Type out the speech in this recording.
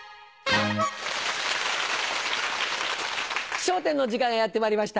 『笑点』の時間がやってまいりました。